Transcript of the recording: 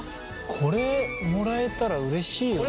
これもらえたらうれしいよね。